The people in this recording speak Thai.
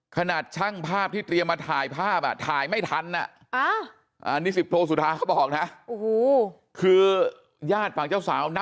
ขนาดช่างภาพที่เตรียมมาถ่ายภาพถ่ายไม่ทัน